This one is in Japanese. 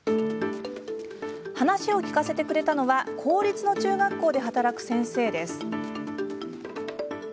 話を聞かせてくれたのは公立の中学校で働く先生です。